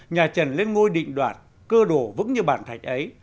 nhà trần lên ngôi định đoạt cơ đồ vững như bản thạch ấy